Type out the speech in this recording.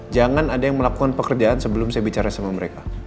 jangan ada yang melakukan pekerjaan sebelum saya bicara sama mereka